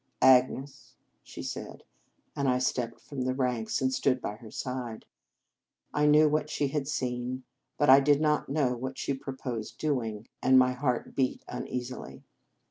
"Agnes," she said, and I stepped from the ranks, and stood by her side. I knew what she had seen; but I did not know what she proposed doing, and my heart beat uneasily.